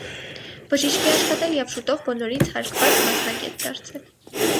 Բժիշկ է աշխատել և շուտով բոլորից հարգված մասնագետ դարձել։